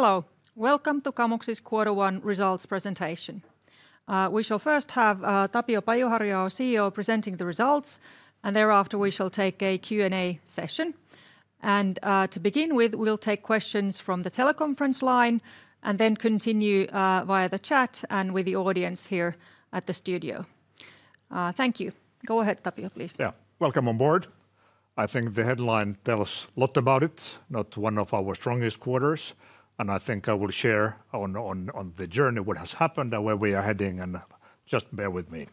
Hello, welcome to Kamux's Quarter One results presentation. We shall first have Tapio Pajuharju, our CEO, presenting the results, and thereafter we shall take a Q&A session. To begin with, we'll take questions from the teleconference line and then continue via the chat and with the audience here at the studio. Thank you. Go ahead, Tapio, please. Yeah, welcome on board. I think the headline tells a lot about it, not one of our strongest quarters, and I think I will share on the journey what has happened and where we are heading, and just bear with me.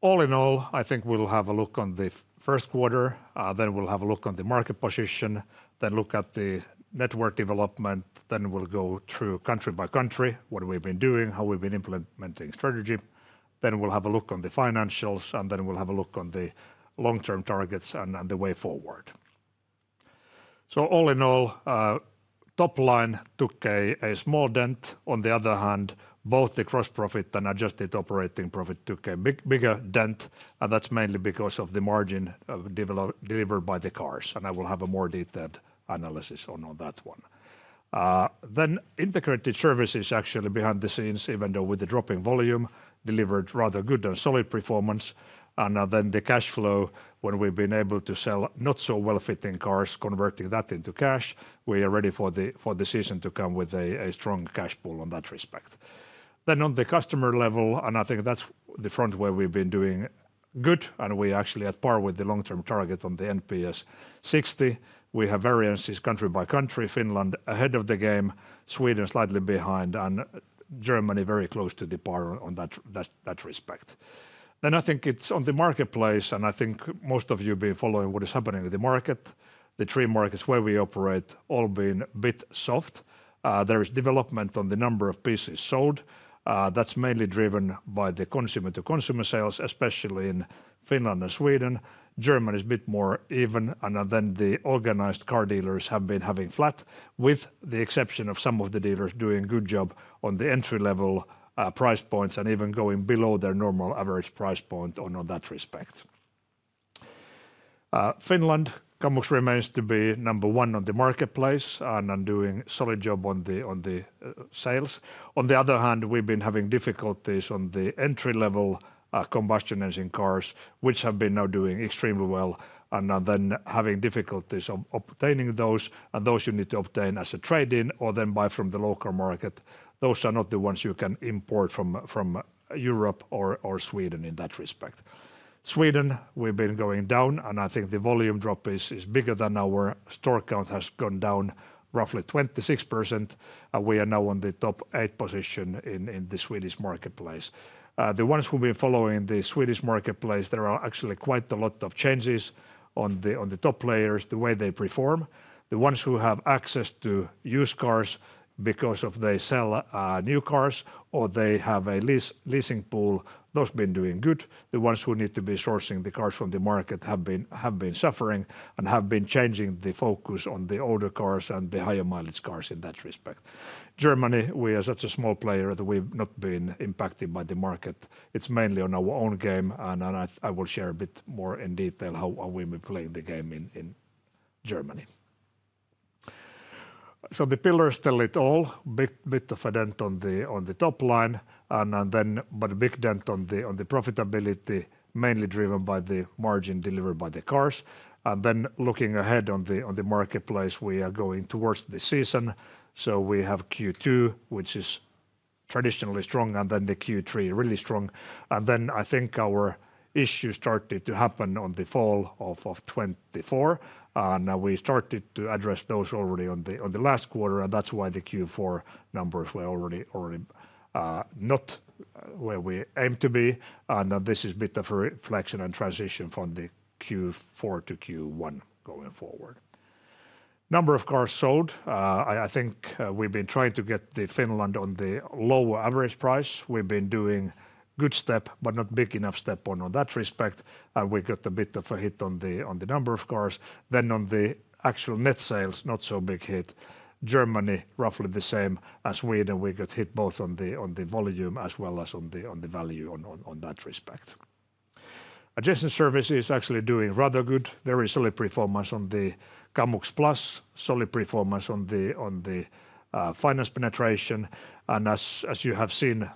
All in all, I think we'll have a look on the first quarter, then we'll have a look on the market position, then look at the network development, then we'll go through country by country what we've been doing, how we've been implementing strategy, then we'll have a look on the financials, and then we'll have a look on the long-term targets and the way forward. All in all, top line took a small dent. On the other hand, both the gross profit and adjusted operating profit took a bigger dent, and that's mainly because of the margin delivered by the cars, and I will have a more detailed analysis on that one. Integrated services actually behind the scenes, even though with the drop in volume, delivered rather good and solid performance, and the cash flow when we've been able to sell not so well-fitting cars, converting that into cash, we are ready for the season to come with a strong cash pull on that respect. On the customer level, and I think that's the front where we've been doing good, and we actually at par with the long-term target on the NPS 60. We have variances country by country, Finland ahead of the game, Sweden slightly behind, and Germany very close to the par on that respect. I think it's on the marketplace, and I think most of you have been following what is happening with the market, the three markets where we operate all being a bit soft. There is development on the number of pieces sold. That's mainly driven by the consumer-to-consumer sales, especially in Finland and Sweden. Germany is a bit more even, and then the organized car dealers have been having flat, with the exception of some of the dealers doing a good job on the entry-level price points and even going below their normal average price point on that respect. Finland, Kamux remains to be number one on the marketplace and doing a solid job on the sales. On the other hand, we've been having difficulties on the entry-level combustion engine cars, which have been now doing extremely well, and then having difficulties obtaining those, and those you need to obtain as a trade-in or then buy from the local market. Those are not the ones you can import from Europe or Sweden in that respect. Sweden, we've been going down, and I think the volume drop is bigger than our store count has gone down, roughly 26%, and we are now on the top eight position in the Swedish marketplace. The ones who have been following the Swedish marketplace, there are actually quite a lot of changes on the top players, the way they perform. The ones who have access to used cars because they sell new cars or they have a leasing pool, those have been doing good. The ones who need to be sourcing the cars from the market have been suffering and have been changing the focus on the older cars and the higher mileage cars in that respect. Germany, we are such a small player that we've not been impacted by the market. It's mainly on our own game, and I will share a bit more in detail how we've been playing the game in Germany. The pillars still it all, a bit of a dent on the top line, but a big dent on the profitability, mainly driven by the margin delivered by the cars. Looking ahead on the marketplace, we are going towards the season. We have Q2, which is traditionally strong, and then the Q3 really strong. I think our issues started to happen in the fall of 2024, and we started to address those already in the last quarter, and that is why the Q4 numbers were already not where we aim to be. This is a bit of a reflection and transition from Q4 to Q1 going forward. Number of cars sold, I think we have been trying to get Finland on the lower average price. We have been doing a good step, but not a big enough step in that respect, and we got a bit of a hit on the number of cars. On the actual net sales, not so big a hit. Germany, roughly the same as Sweden. We got hit both on the volume as well as on the value in that respect. Adjacent services actually doing rather good. Very solid performance on the Kamux Plus, solid performance on the finance penetration. As you have seen, there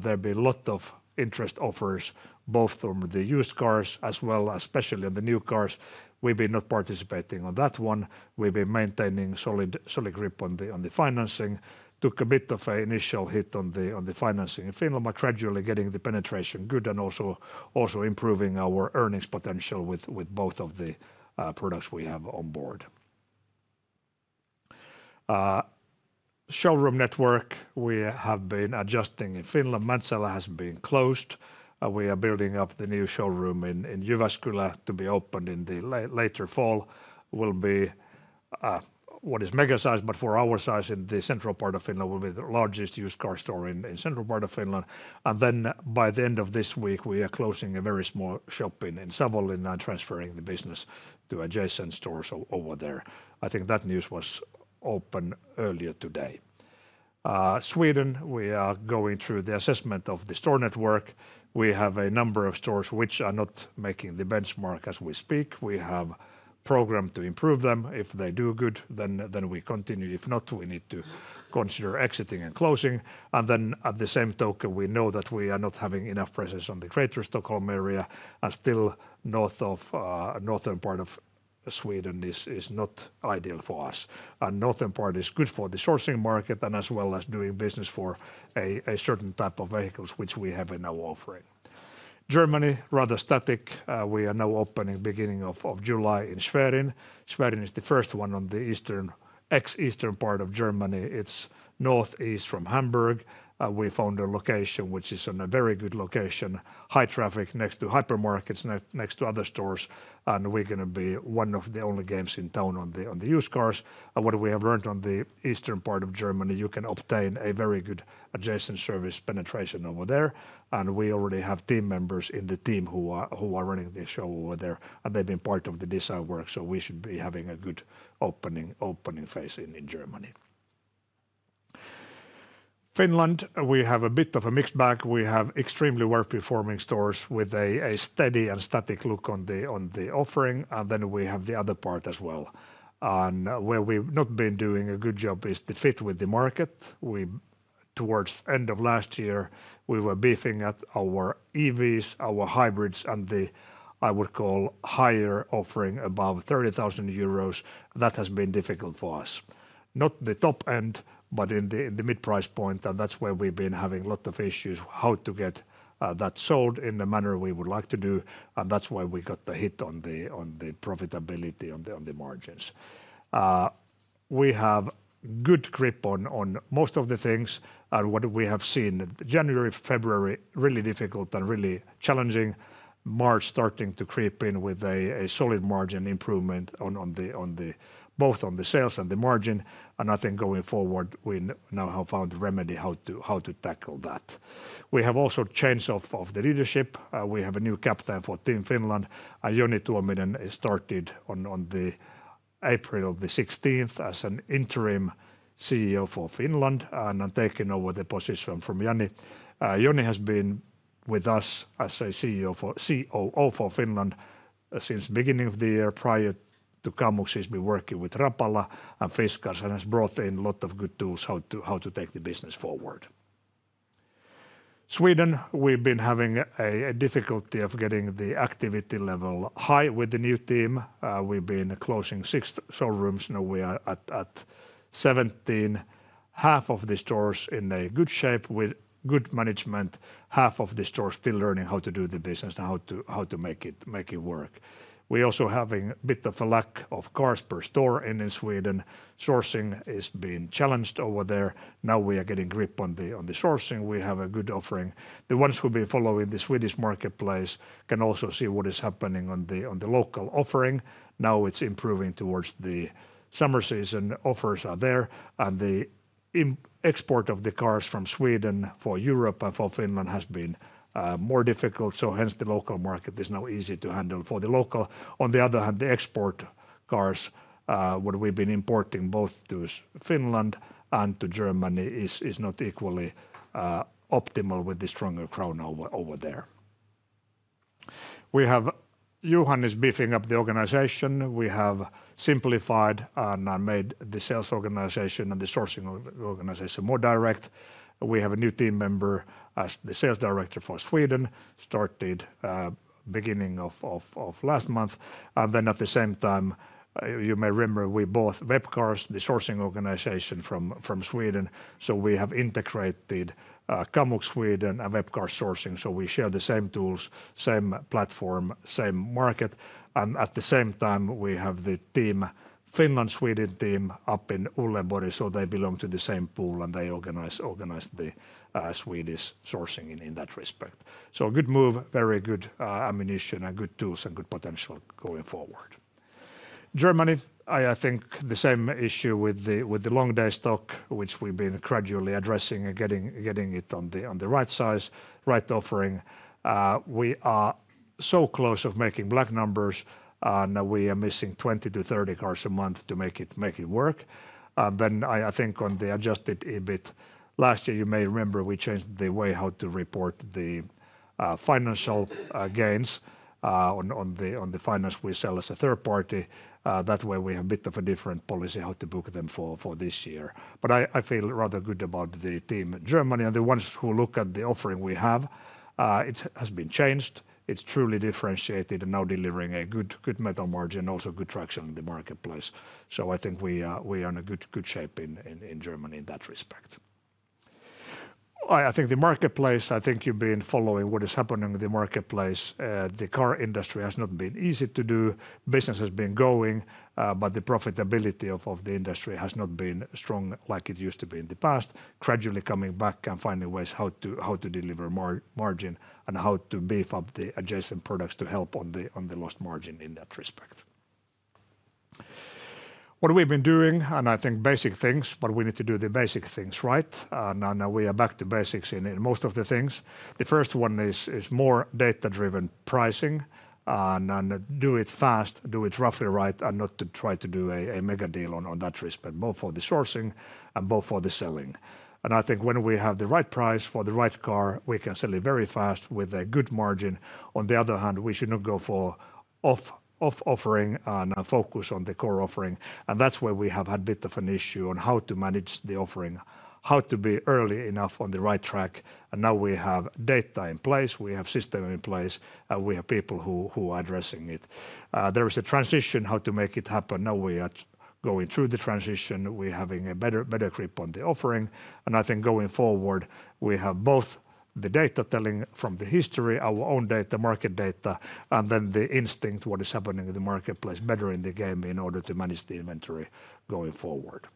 have been a lot of interest offers both on the used cars as well as especially on the new cars. We have been not participating on that one. We have been maintaining solid grip on the financing. Took a bit of an initial hit on the financing in Finland, but gradually getting the penetration good and also improving our earnings potential with both of the products we have on board. Showroom network, we have been adjusting in Finland. Mäntsälä has been closed. We are building up the new showroom in Jyväskylä to be opened in the later fall. Will be what is mega size, but for our size in the central part of Finland will be the largest used car store in the central part of Finland. By the end of this week, we are closing a very small shop in Savonlinna and transferring the business to adjacent stores over there. I think that news was open earlier today. Sweden, we are going through the assessment of the store network. We have a number of stores which are not making the benchmark as we speak. We have a program to improve them. If they do good, then we continue. If not, we need to consider exiting and closing. At the same token, we know that we are not having enough presence in the Greater Stockholm area, and still northern part of Sweden is not ideal for us. Northern part is good for the sourcing market and as well as doing business for a certain type of vehicles which we have in our offering. Germany, rather static. We are now opening beginning of July in Schwerin. Schwerin is the first one on the ex-Eastern part of Germany. It's northeast from Hamburg. We found a location which is on a very good location, high traffic next to hypermarkets, next to other stores, and we're going to be one of the only games in town on the used cars. What we have learned on the eastern part of Germany, you can obtain a very good adjacent service penetration over there. We already have team members in the team who are running the show over there, and they've been part of the design work, so we should be having a good opening phase in Germany. Finland, we have a bit of a mixed bag. We have extremely well-performing stores with a steady and static look on the offering, and then we have the other part as well. Where we have not been doing a good job is the fit with the market. Towards the end of last year, we were beefing at our EVs, our hybrids, and the, I would call, higher offering above 30,000 euros. That has been difficult for us. Not the top end, but in the mid-price point, and that is where we have been having a lot of issues how to get that sold in the manner we would like to do, and that is why we got the hit on the profitability on the margins. We have good grip on most of the things, and what we have seen, January, February, really difficult and really challenging. March starting to creep in with a solid margin improvement on both the sales and the margin, and I think going forward we now have found a remedy how to tackle that. We have also changed of the leadership. We have a new captain for Team Finland. Joni Tuominen started on April the 16th as an interim CEO for Finland and taken over the position from Joni. Joni has been with us as a COO for Finland since the beginning of the year. Prior to Kamux, he's been working with Rapala and Fiskars and has brought in a lot of good tools how to take the business forward. Sweden, we've been having a difficulty of getting the activity level high with the new team. We've been closing six showrooms. Now we are at 17. Half of the stores in a good shape with good management. Half of the stores still learning how to do the business and how to make it work. We're also having a bit of a lack of cars per store in Sweden. Sourcing has been challenged over there. Now we are getting grip on the sourcing. We have a good offering. The ones who have been following the Swedish marketplace can also see what is happening on the local offering. Now it's improving towards the summer season. Offers are there, and the export of the cars from Sweden for Europe and for Finland has been more difficult, so hence the local market is now easy to handle for the local. On the other hand, the export cars, what we've been importing both to Finland and to Germany is not equally optimal with the stronger crowd over there. We have Johan is beefing up the organization. We have simplified and made the sales organization and the sourcing organization more direct. We have a new team member as the Sales Director for Sweden, started beginning of last month. At the same time, you may remember we bought Webcars, the sourcing organization from Sweden, so we have integrated Kamux Sweden and Webcars sourcing, so we share the same tools, same platform, same market. At the same time, we have the Finland-Sweden team up in [Oulu], so they belong to the same pool and they organize the Swedish sourcing in that respect. A good move, very good ammunition and good tools and good potential going forward. Germany, I think the same issue with the long-day stock, which we've been gradually addressing and getting it on the right size, right offering. We are so close to making black numbers and we are missing 20-30 cars a month to make it work. I think on the adjusted EBIT, last year you may remember we changed the way how to report the financial gains on the finance we sell as a third party. That way we have a bit of a different policy how to book them for this year. I feel rather good about the team Germany and the ones who look at the offering we have. It has been changed. It's truly differentiated and now delivering a good metal margin and also good traction in the marketplace. I think we are in a good shape in Germany in that respect. I think the marketplace, I think you've been following what is happening in the marketplace. The car industry has not been easy to do. Business has been going, but the profitability of the industry has not been strong like it used to be in the past, gradually coming back and finding ways how to deliver margin and how to beef up the adjacent products to help on the lost margin in that respect. What we've been doing, and I think basic things, but we need to do the basic things right. Now we are back to basics in most of the things. The first one is more data-driven pricing and do it fast, do it roughly right and not to try to do a mega deal on that respect, both for the sourcing and both for the selling. I think when we have the right price for the right car, we can sell it very fast with a good margin. On the other hand, we should not go for off-offering and focus on the core offering. That is where we have had a bit of an issue on how to manage the offering, how to be early enough on the right track. Now we have data in place, we have system in place, and we have people who are addressing it. There is a transition how to make it happen. Now we are going through the transition. We are having a better grip on the offering. I think going forward, we have both the data telling from the history, our own data, market data, and then the instinct, what is happening in the marketplace, better in the game in order to manage the inventory going forward.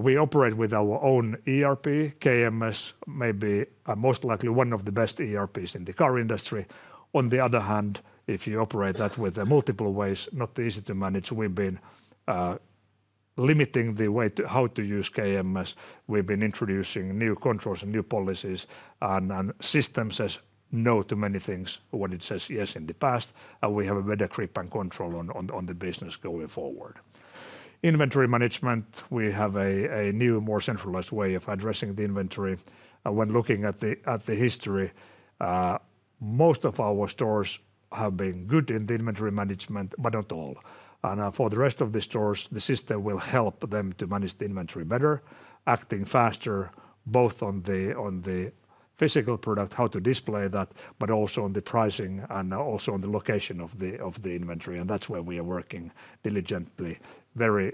We operate with our own ERP, KMS, maybe most likely one of the best ERPs in the car industry. On the other hand, if you operate that with multiple ways, not easy to manage, we've been limiting the way how to use KMS. We've been introducing new controls and new policies, and systems says no to many things when it says yes in the past. We have a better grip and control on the business going forward. Inventory management, we have a new, more centralized way of addressing the inventory. When looking at the history, most of our stores have been good in the inventory management, but not all. For the rest of the stores, the system will help them to manage the inventory better, acting faster both on the physical product, how to display that, but also on the pricing and also on the location of the inventory. That's where we are working diligently. Very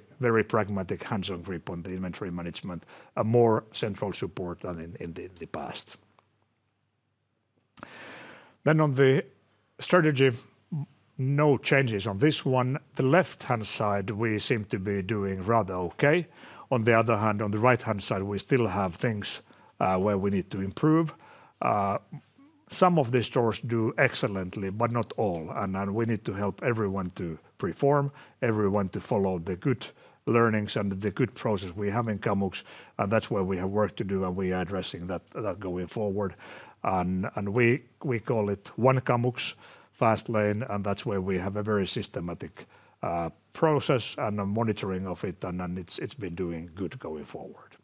pragmatic hands-on grip on the inventory management and more central support than in the past. On the strategy, no changes on this one. The left-hand side, we seem to be doing rather okay. On the other hand, on the right-hand side, we still have things where we need to improve. Some of the stores do excellently, but not all. We need to help everyone to perform, everyone to follow the good learnings and the good process we have in Kamux. That is where we have work to do, and we are addressing that going forward. We call it One Kamux Fastlane, and that is where we have a very systematic process and monitoring of it, and it has been doing good going forward.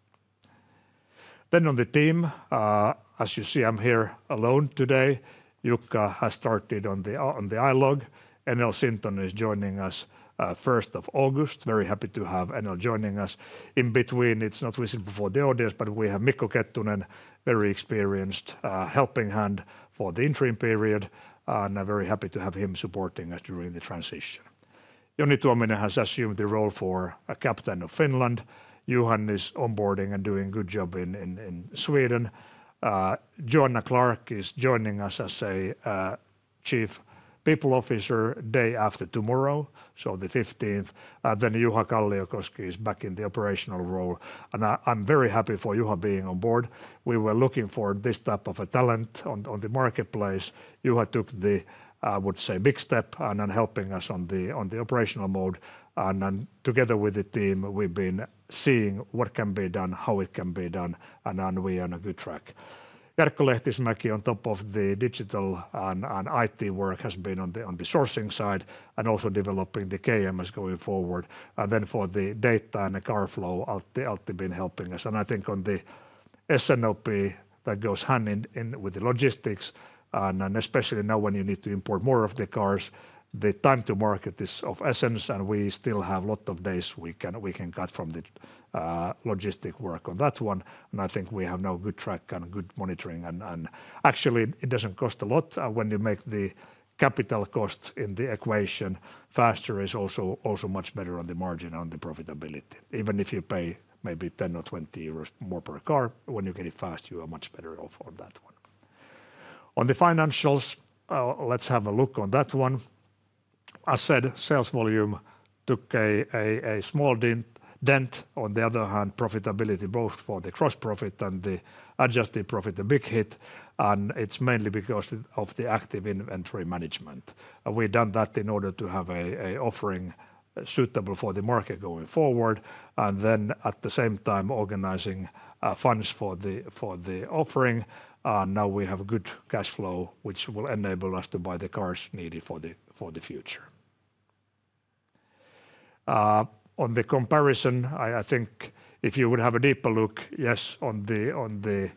On the team, as you see, I am here alone today. Jukka has started on the iLog. Enel Sintonen is joining us 1st of August. Very happy to have Enel joining us. In between, it's not visible for the audience, but we Mikko-Heikki Inkeroinen, very experienced helping hand for the interim period, and very happy to have him supporting us during the transition. Joni Tuominen has assumed the role for a captain of Finland. Johan is onboarding and doing a good job in Sweden. Joanna Clark is joining us as a Chief People Officer day after tomorrow, so the 15th. Juha Kalliokoski is back in the operational role. I'm very happy for Juha being on board. We were looking for this type of a talent on the marketplace. Juha took the, I would say, big step and helping us on the operational mode. Together with the team, we've been seeing what can be done, how it can be done, and we are on a good track. Jarkko Lehtismäki, on top of the digital and IT work, has been on the sourcing side and also developing the KMS going forward. For the data and the car flow, Alti has been helping us. I think on the S&OP, that goes hand in hand with the logistics, and especially now when you need to import more of the cars, the time to market is of essence. We still have a lot of days we can cut from the logistic work on that one. I think we have now good track and good monitoring. Actually, it does not cost a lot when you make the capital cost in the equation faster. It is also much better on the margin and on the profitability. Even if you pay maybe 10 or 20 euros more per car, when you get it fast, you are much better off on that one. On the financials, let's have a look on that one. As said, sales volume took a small dent. On the other hand, profitability, both for the gross profit and the adjusted profit, a big hit. It is mainly because of the active inventory management. We have done that in order to have an offering suitable for the market going forward. At the same time, organizing funds for the offering. Now we have good cash flow, which will enable us to buy the cars needed for the future. On the comparison, I think if you would have a deeper look, yes, on the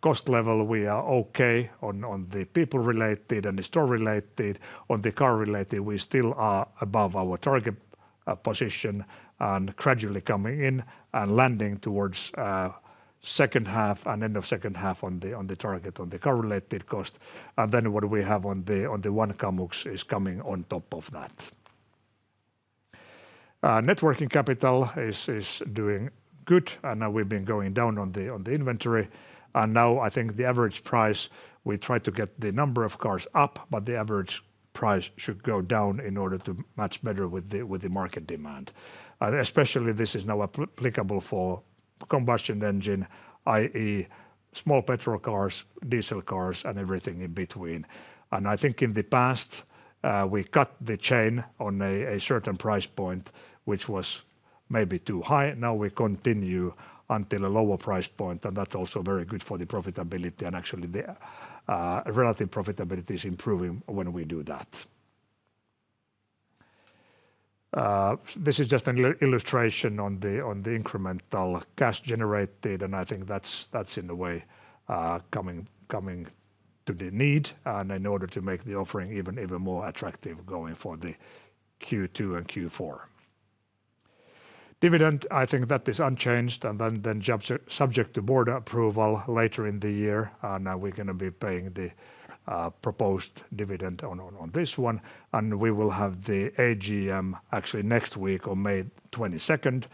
cost level, we are okay on the people-related and the store-related. On the car-related, we still are above our target position and gradually coming in and landing towards second half and end of second half on the target on the car-related cost. What we have on the one Kamux is coming on top of that. Networking capital is doing good, and we've been going down on the inventory. I think the average price, we try to get the number of cars up, but the average price should go down in order to match better with the market demand. Especially this is now applicable for combustion engine, i.e., small petrol cars, diesel cars, and everything in between. I think in the past, we cut the chain on a certain price point, which was maybe too high. Now we continue until a lower price point, and that's also very good for the profitability, and actually the relative profitability is improving when we do that. This is just an illustration on the incremental cash generated, and I think that's in a way coming to the need and in order to make the offering even more attractive going for the Q2 and Q4. Dividend, I think that is unchanged and then subject to board approval later in the year. We are going to be paying the proposed dividend on this one. We will have the AGM actually next week on May 22nd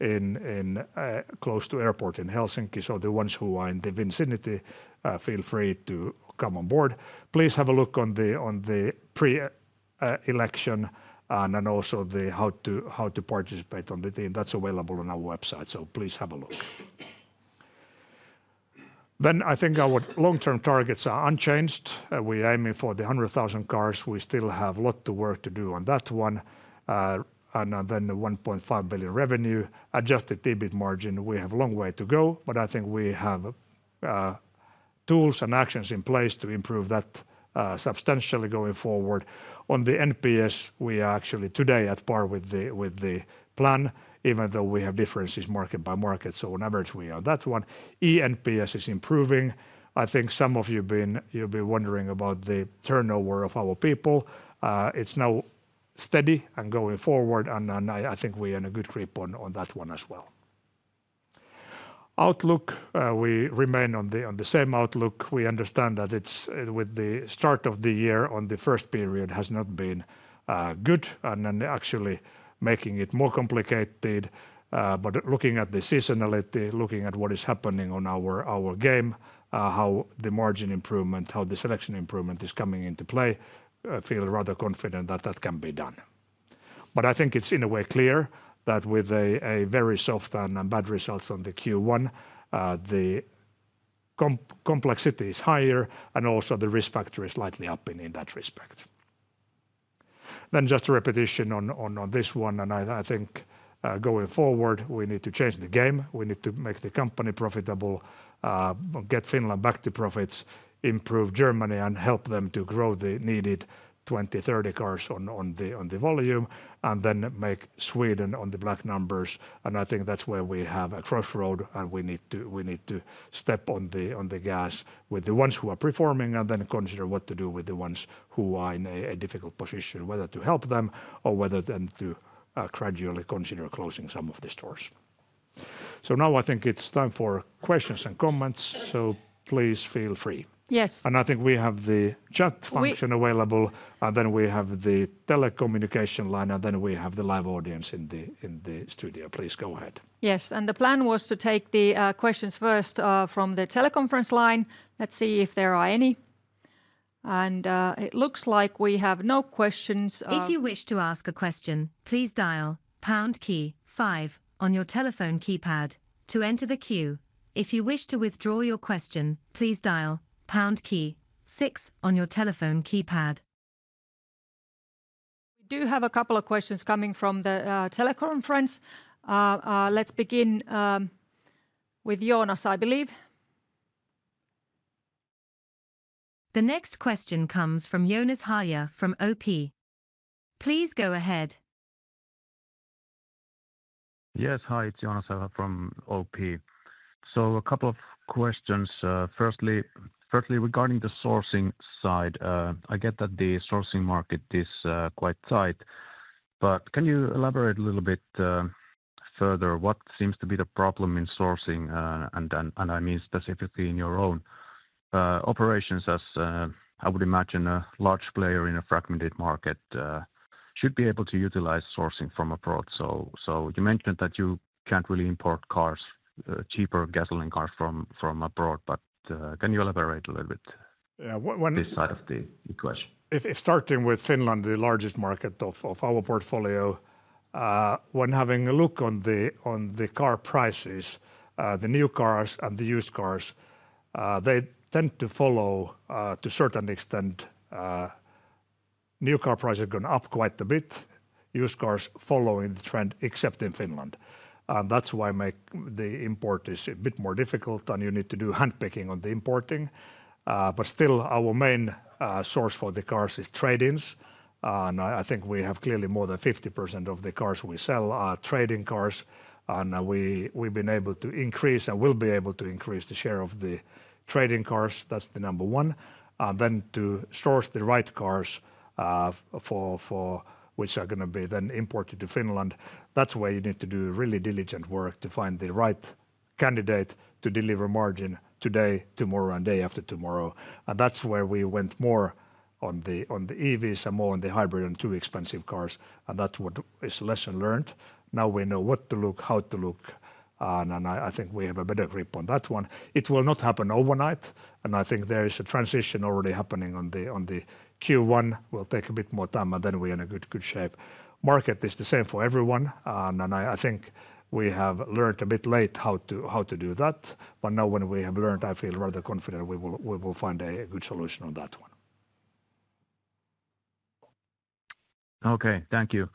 in close to airport in Helsinki. The ones who are in the vicinity, feel free to come on board. Please have a look on the pre-election and also how to participate on the team. That is available on our website, so please have a look. I think our long-term targets are unchanged. We are aiming for the 100,000 cars. We still have a lot of work to do on that one. The 1.5 billion revenue, adjusted EBIT margin, we have a long way to go, but I think we have tools and actions in place to improve that substantially going forward. On the NPS, we are actually today at par with the plan, even though we have differences market by market. On average, we are on that one. ENPS is improving. I think some of you have been wondering about the turnover of our people. It is now steady and going forward, and I think we are in a good grip on that one as well. Outlook, we remain on the same outlook. We understand that with the start of the year, the first period has not been good and actually making it more complicated. Looking at the seasonality, looking at what is happening on our game, how the margin improvement, how the selection improvement is coming into play, I feel rather confident that that can be done. I think it is in a way clear that with a very soft and bad result on the Q1, the complexity is higher and also the risk factor is slightly up in that respect. Just a repetition on this one, and I think going forward we need to change the game. We need to make the company profitable, get Finland back to profits, improve Germany and help them to grow the needed 20-30 cars on the volume, and then make Sweden on the black numbers. I think that's where we have a crossroad and we need to step on the gas with the ones who are performing and then consider what to do with the ones who are in a difficult position, whether to help them or whether then to gradually consider closing some of the stores. Now I think it's time for questions and comments, so please feel free. Yes. I think we have the chat function available, and then we have the telecommunication line, and then we have the live audience in the studio. Please go ahead. Yes, the plan was to take the questions first from the teleconference line. Let's see if there are any. It looks like we have no questions. If you wish to ask a question, please dial pound key five on your telephone keypad to enter the queue. If you wish to withdraw your question, please dial pound key six on your telephone keypad. We do have a couple of questions coming from the teleconference. Let's begin with Joonas, I believe. The next question comes from Joonas Häyhä from OP. Please go ahead. Yes, hi, it's Joonas Häyhä from OP. So a couple of questions. Firstly, regarding the sourcing side, I get that the sourcing market is quite tight, but can you elaborate a little bit further? What seems to be the problem in sourcing, and I mean specifically in your own operations as I would imagine a large player in a fragmented market should be able to utilize sourcing from abroad? You mentioned that you can't really import cars, cheaper gasoline cars from abroad, but can you elaborate a little bit on this side of the question? Starting with Finland, the largest market of our portfolio, when having a look on the car prices, the new cars and the used cars, they tend to follow to a certain extent. New car prices are going up quite a bit, used cars following the trend, except in Finland. That is why the import is a bit more difficult, and you need to do handpicking on the importing. Still, our main source for the cars is trade-ins. I think we have clearly more than 50% of the cars we sell are trade-in cars. We have been able to increase and will be able to increase the share of the trade-in cars. That is the number one. To source the right cars which are going to be then imported to Finland, you need to do really diligent work to find the right candidate to deliver margin today, tomorrow, and day after tomorrow. That is where we went more on the EVs and more on the hybrid and too expensive cars. That is what is lesson learned. Now we know what to look, how to look, and I think we have a better grip on that one. It will not happen overnight, and I think there is a transition already happening on the Q1. It will take a bit more time, and then we are in a good shape. Market is the same for everyone, and I think we have learned a bit late how to do that. Now when we have learned, I feel rather confident we will find a good solution on that one. Okay, thank you.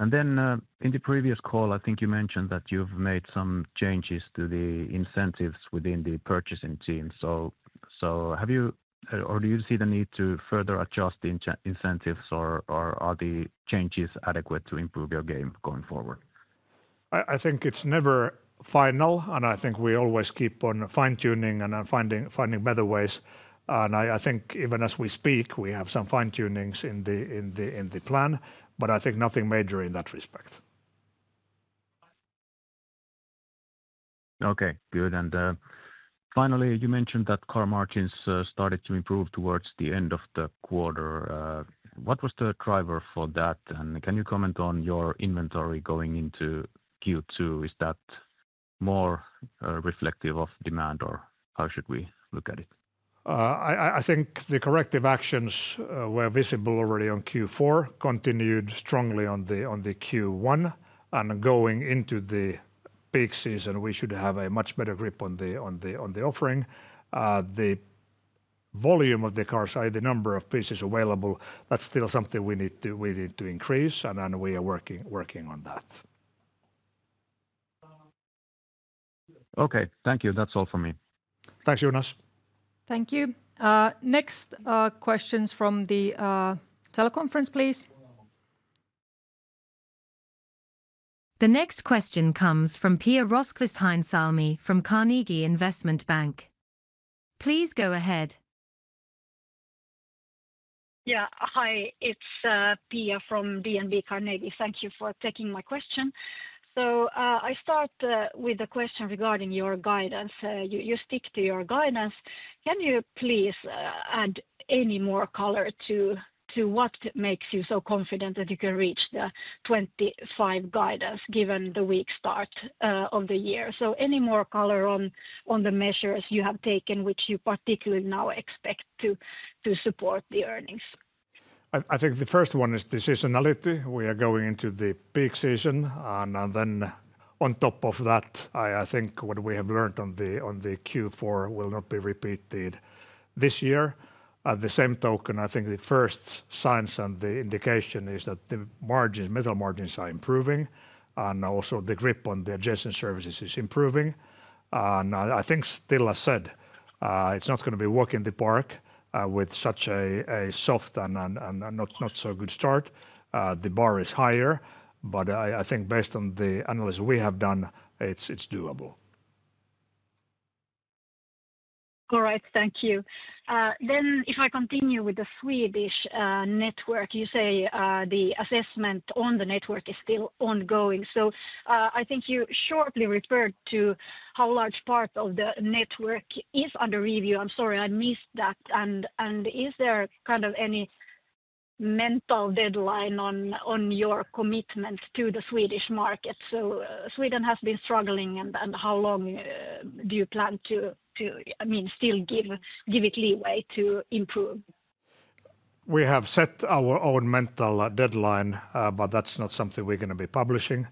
In the previous call, I think you mentioned that you've made some changes to the incentives within the purchasing team. Have you, or do you see the need to further adjust the incentives, or are the changes adequate to improve your game going forward? I think it's never final, and I think we always keep on fine-tuning and finding better ways. I think even as we speak, we have some fine-tunings in the plan, but I think nothing major in that respect. Okay, good. Finally, you mentioned that car margins started to improve towards the end of the quarter. What was the driver for that? Can you comment on your inventory going into Q2? Is that more reflective of demand, or how should we look at it? I think the corrective actions were visible already on Q4, continued strongly on the Q1. Going into the peak season, we should have a much better grip on the offering. The volume of the cars, the number of pieces available, that's still something we need to increase, and we are working on that. Okay, thank you. That's all for me. Thanks, Joonas. Thank you. Next questions from the teleconference, please. The next question comes from Pia Rosqvist-Heinsalmi from Carnegie Investment Bank. Please go ahead. Yeah, hi, it's Pia from DNB Carnegie. Thank you for taking my question. I start with the question regarding your guidance. You stick to your guidance. Can you please add any more color to what makes you so confident that you can reach the 25 guidance given the weak start of the year? Any more color on the measures you have taken, which you particularly now expect to support the earnings? I think the first one is the seasonality. We are going into the peak season, and then on top of that, I think what we have learned on the Q4 will not be repeated this year. At the same token, I think the first signs and the indication is that the margins, metal margins are improving, and also the grip on the adjacent services is improving. I think still, as said, it's not going to be walking the park with such a soft and not so good start. The bar is higher, but I think based on the analysis we have done, it's doable. All right, thank you. If I continue with the Swedish network, you say the assessment on the network is still ongoing. I think you shortly referred to how large part of the network is under review. I'm sorry, I missed that. Is there kind of any mental deadline on your commitment to the Swedish market? Sweden has been struggling, and how long do you plan to still give it leeway to improve? We have set our own mental deadline, but that's not something we're going to be publishing.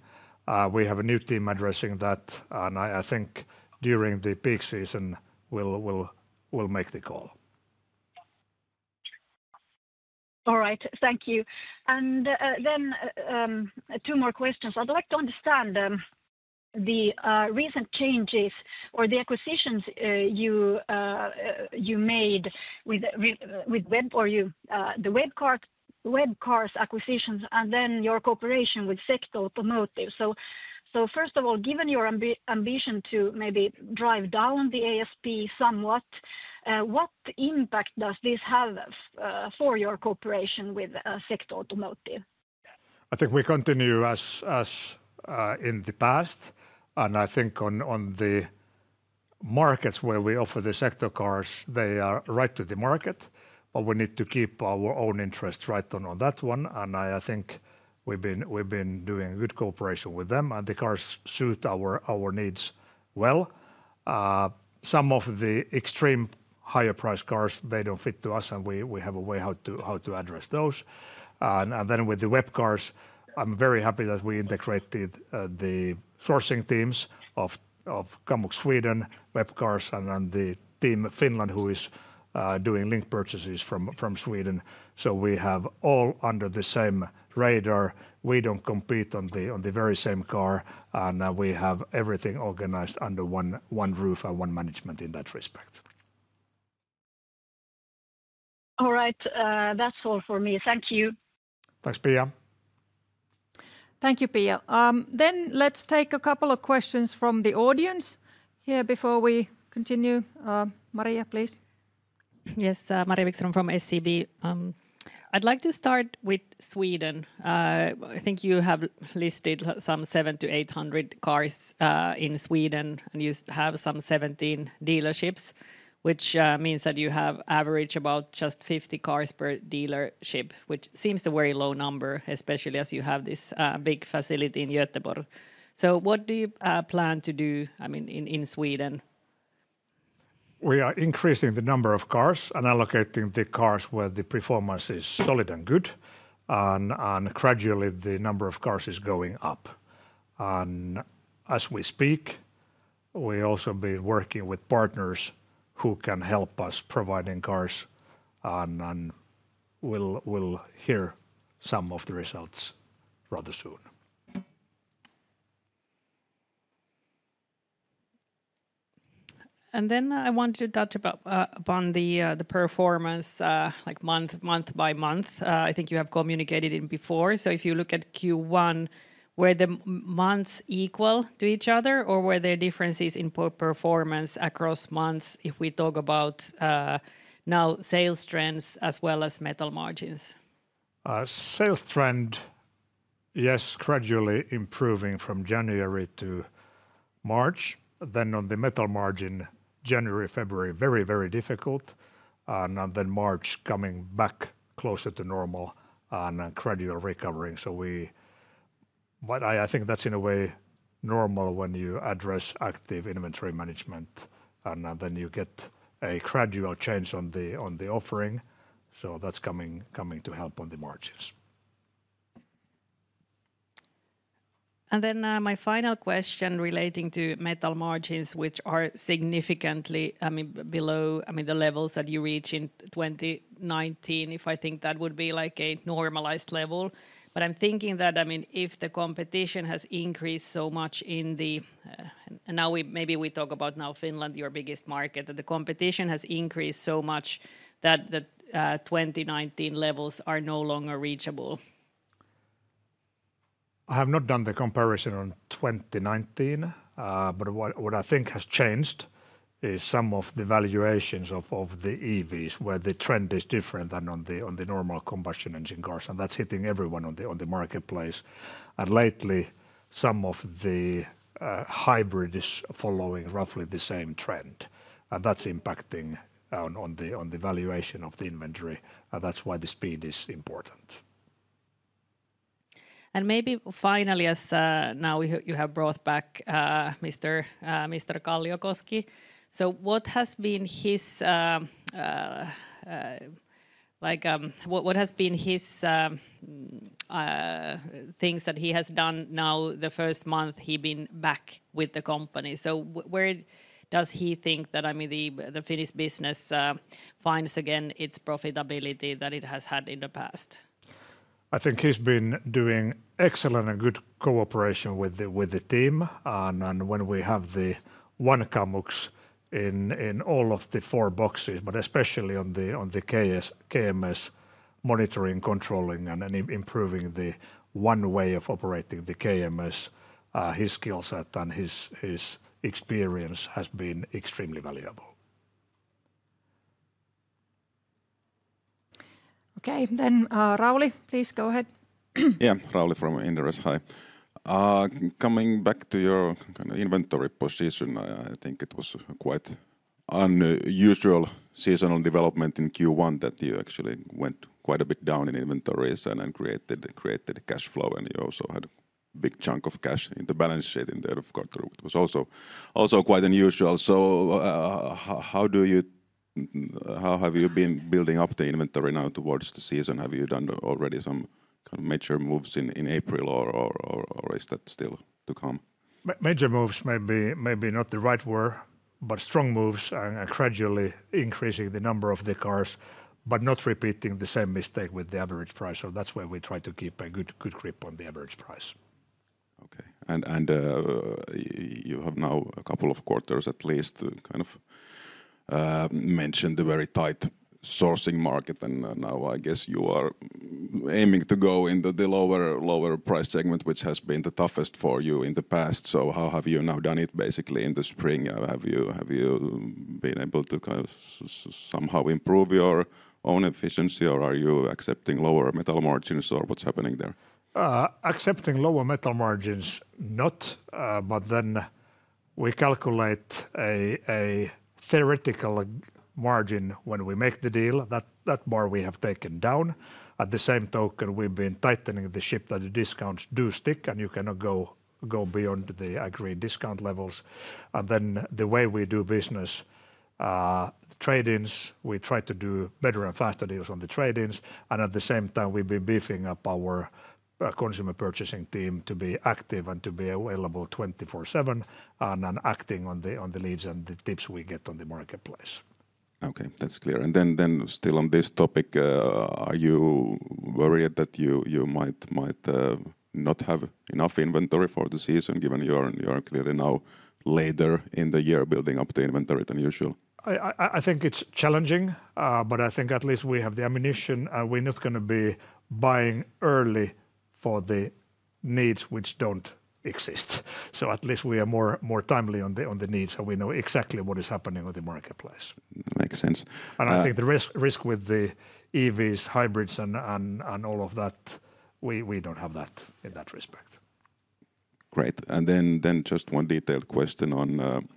We have a new team addressing that, and I think during the peak season, we'll make the call. All right, thank you. Two more questions. I'd like to understand the recent changes or the acquisitions you made with the Webcars acquisitions and then your cooperation with Secto Automotive. First of all, given your ambition to maybe drive down the ASP somewhat, what impact does this have for your cooperation with Secto Automotive? I think we continue as in the past, and I think on the markets where we offer the Secto cars, they are right to the market, but we need to keep our own interest right on that one. I think we've been doing good cooperation with them, and the cars suit our needs well. Some of the extreme higher price cars, they do not fit to us, and we have a way how to address those. With the Webcars, I'm very happy that we integrated the sourcing teams of Kamux Sweden, Webcars, and the team in Finland who is doing link purchases from Sweden. We have all under the same radar. We do not compete on the very same car, and we have everything organized under one roof and one management in that respect. All right, that's all for me. Thank you. Thanks, Pia. Thank you, Pia. Let's take a couple of questions from the audience here before we continue. Maria, please. Yes, Maria Wikström from SEB. I'd like to start with Sweden. I think you have listed some 700-800 cars in Sweden, and you have some 17 dealerships, which means that you have average about just 50 cars per dealership, which seems a very low number, especially as you have this big facility in Göteborg. What do you plan to do, I mean, in Sweden? We are increasing the number of cars and allocating the cars where the performance is solid and good, and gradually the number of cars is going up. As we speak, we also have been working with partners who can help us provide cars, and we will hear some of the results rather soon. I want to touch upon the performance month by month. I think you have communicated it before. If you look at Q1, were the months equal to each other, or were there differences in performance across months if we talk about now sales trends as well as metal margins? Sales trend, yes, gradually improving from January to March. On the metal margin, January, February, very, very difficult. March coming back closer to normal and gradual recovering. I think that's in a way normal when you address active inventory management, and then you get a gradual change on the offering. That's coming to help on the margins. My final question relating to metal margins, which are significantly below the levels that you reach in 2019, if I think that would be like a normalized level. I'm thinking that if the competition has increased so much in the, and now maybe we talk about now Finland, your biggest market, that the competition has increased so much that the 2019 levels are no longer reachable. I have not done the comparison on 2019, but what I think has changed is some of the valuations of the EVs where the trend is different than on the normal combustion engine cars. That's hitting everyone on the marketplace. Lately, some of the hybrids are following roughly the same trend. That is impacting on the valuation of the inventory. That is why the speed is important. Maybe finally, as now you have brought back Mr. Kalliokoski, what has been his, what has been his things that he has done now the first month he has been back with the company? Where does he think that the Finnish business finds again its profitability that it has had in the past? I think he has been doing excellent and good cooperation with the team. When we have the one Kamux in all of the four boxes, but especially on the KMS monitoring, controlling, and improving the one way of operating the KMS, his skill set and his experience has been extremely valuable. Okay, Rauli, please go ahead. Yeah, Rauli from Inderes, hi. Coming back to your inventory position, I think it was quite unusual seasonal development in Q1 that you actually went quite a bit down in inventories and created cash flow, and you also had a big chunk of cash in the balance sheet in the end of quarter. It was also quite unusual. How have you been building up the inventory now towards the season? Have you done already some major moves in April, or is that still to come? Major moves may be not the right word, but strong moves and gradually increasing the number of the cars, but not repeating the same mistake with the average price. That is why we try to keep a good grip on the average price. Okay, and you have now a couple of quarters at least to kind of mention the very tight sourcing market. I guess you are aiming to go into the lower price segment, which has been the toughest for you in the past. How have you now done it basically in the spring? Have you been able to somehow improve your own efficiency, or are you accepting lower metal margins, or what's happening there? Accepting lower metal margins, not, but then we calculate a theoretical margin when we make the deal. That bar we have taken down. At the same token, we've been tightening the ship that the discounts do stick, and you cannot go beyond the agreed discount levels. The way we do business, tradings, we try to do better and faster deals on the tradings. At the same time, we've been beefing up our consumer purchasing team to be active and to be available 24/7 and acting on the leads and the tips we get on the marketplace. Okay, that's clear. Still on this topic, are you worried that you might not have enough inventory for the season given you're clearly now later in the year building up the inventory than usual? I think it's challenging, but I think at least we have the ammunition. We're not going to be buying early for the needs which don't exist. At least we are more timely on the needs, so we know exactly what is happening on the marketplace. Makes sense. I think the risk with the EVs, hybrids, and all of that, we don't have that in that respect. Great. Just one detailed question on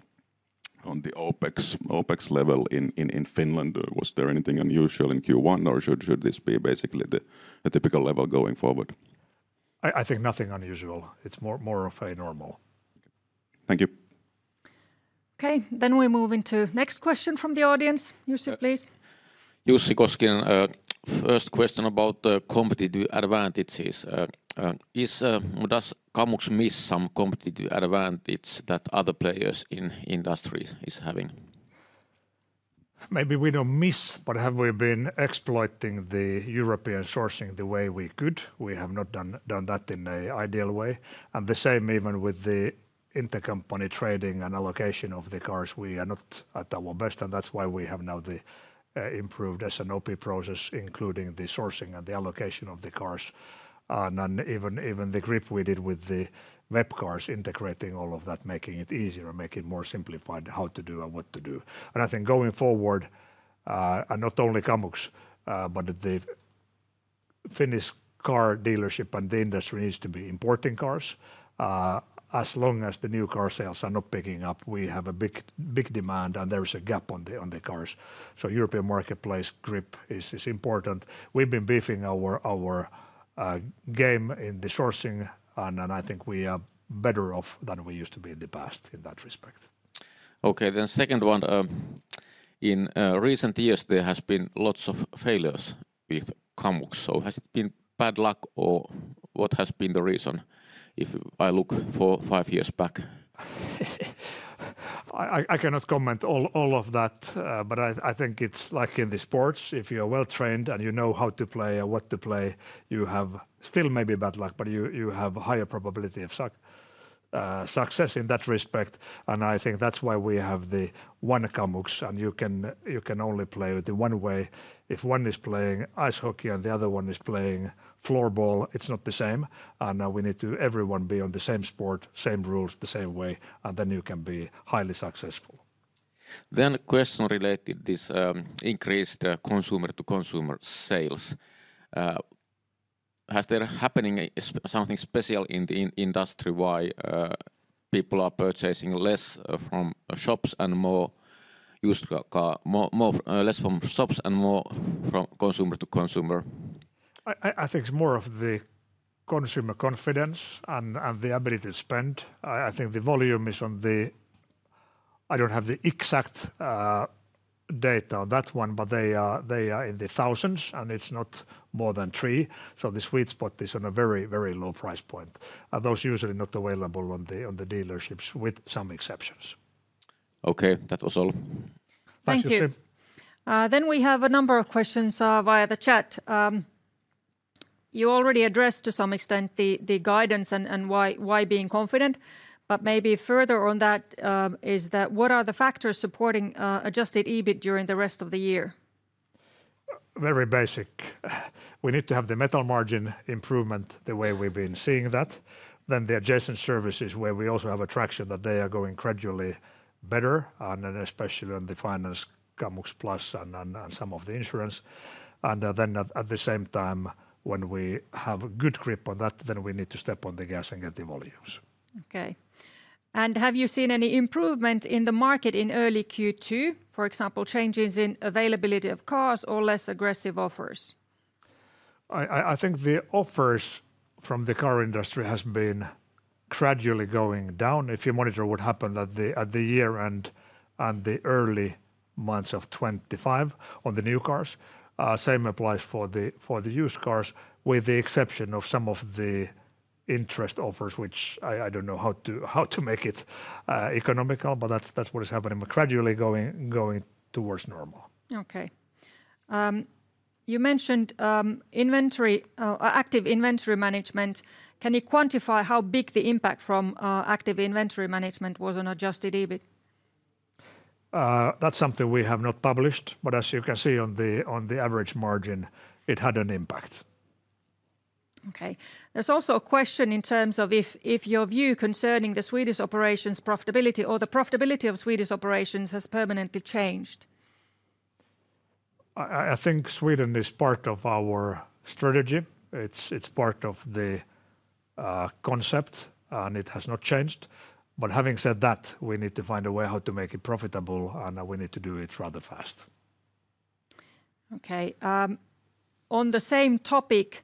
the OpEx level in Finland. Was there anything unusual in Q1, or should this be basically the typical level going forward? I think nothing unusual. It is more of a normal. Thank you. Okay, we move into next question from the audience. Jussi, please. Jussi Koskinen, first question about the competitive advantages. Does Kamux miss some competitive advantage that other players in industry are having? Maybe we do not miss, but have we been exploiting the European sourcing the way we could? We have not done that in an ideal way. The same even with the intercompany trading and allocation of the cars. We are not at our best, and that is why we have now the improved S&OP process, including the sourcing and the allocation of the cars. Even the grip we did with Webcars, integrating all of that, making it easier and making it more simplified how to do and what to do. I think going forward, not only Kamux, but the Finnish car dealership and the industry need to be importing cars. As long as the new car sales are not picking up, we have a big demand and there is a gap on the cars. European marketplace grip is important. We've been beefing our game in the sourcing, and I think we are better off than we used to be in the past in that respect. Okay, then second one. In recent years, there have been lots of failures with Kamux. Has it been bad luck or what has been the reason if I look five years back? I cannot comment on all of that, but I think it's like in the sports. If you're well trained and you know how to play and what to play, you have still maybe bad luck, but you have a higher probability of success in that respect. I think that's why we have the one Kamux, and you can only play with the one way. If one is playing ice hockey and the other one is playing floorball, it's not the same. Now we need to everyone be on the same sport, same rules, the same way, and then you can be highly successful. A question related to this increased consumer-to-consumer sales. Has there happening something special in the industry why people are purchasing less from shops and more from consumer-to-consumer? I think it's more of the consumer confidence and the ability to spend. I think the volume is on the, I don't have the exact data on that one, but they are in the thousands and it's not more than three. The sweet spot is on a very, very low price point. Those are usually not available on the dealerships with some exceptions. Okay, that was all. Thank you. We have a number of questions via the chat. You already addressed to some extent the guidance and why being confident, but maybe further on that is that what are the factors supporting adjusted EBIT during the rest of the year? Very basic. We need to have the metal margin improvement the way we've been seeing that. The adjacent services where we also have attraction, they are going gradually better, and especially on the finance, Kamux Plus, and some of the insurance. At the same time, when we have a good grip on that, we need to step on the gas and get the volumes. Okay. Have you seen any improvement in the market in early Q2, for example, changes in availability of cars or less aggressive offers? I think the offers from the car industry have been gradually going down. If you monitor what happened at the year and the early months of 2025 on the new cars, the same applies for the used cars with the exception of some of the interest offers, which I do not know how to make it economical, but that is what is happening, gradually going towards normal. Okay. You mentioned active inventory management. Can you quantify how big the impact from active inventory management was on adjusted EBIT? That's something we have not published, but as you can see on the average margin, it had an impact. Okay. There's also a question in terms of if your view concerning the Swedish operations profitability or the profitability of Swedish operations has permanently changed. I think Sweden is part of our strategy. It's part of the concept, and it has not changed. Having said that, we need to find a way how to make it profitable, and we need to do it rather fast. Okay. On the same topic,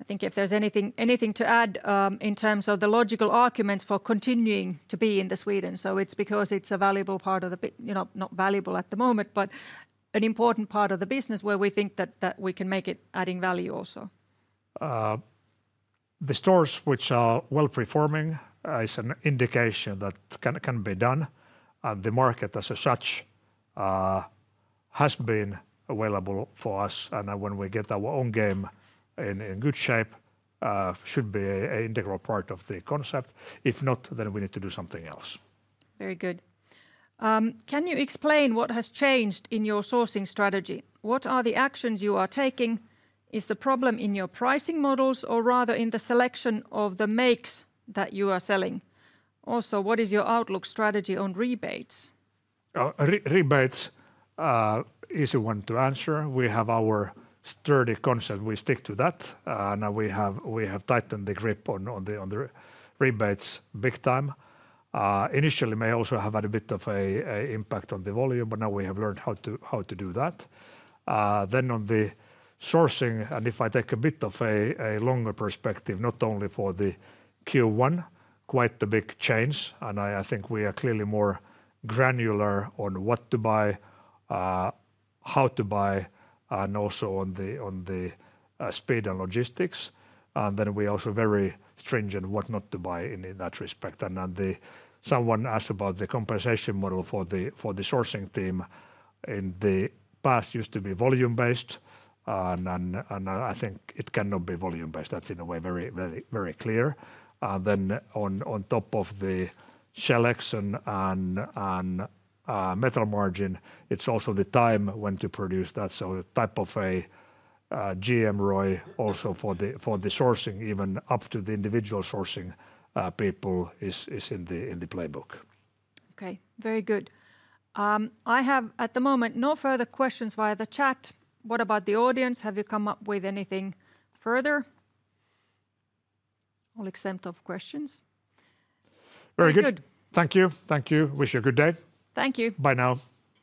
I think if there's anything to add in terms of the logical arguments for continuing to be in Sweden. It is because it is a valuable part of the, not valuable at the moment, but an important part of the business where we think that we can make it adding value also. The stores which are well performing is an indication that can be done. The market as such has been available for us, and when we get our own game in good shape, should be an integral part of the concept. If not, then we need to do something else. Very good. Can you explain what has changed in your sourcing strategy? What are the actions you are taking? Is the problem in your pricing models or rather in the selection of the makes that you are selling? Also, what is your outlook strategy on rebates? Rebates is a one to answer. We have our sturdy concept. We stick to that. Now we have tightened the grip on the rebates big time. Initially, may also have had a bit of an impact on the volume, but now we have learned how to do that. On the sourcing, and if I take a bit of a longer perspective, not only for the Q1, quite the big change. I think we are clearly more granular on what to buy, how to buy, and also on the speed and logistics. We are also very stringent on what not to buy in that respect. Someone asked about the compensation model for the sourcing team. In the past, it used to be volume-based. I think it cannot be volume-based. That is in a way very clear. On top of the [Chelex] and metal margin, it is also the time when to produce that. Type of a GMROI also for the sourcing, even up to the individual sourcing people is in the playbook. Okay, very good. I have at the moment no further questions via the chat. What about the audience? Have you come up with anything further? All except of questions. Very good. Thank you. Thank you. Wish you a good day. Thank you. Bye now.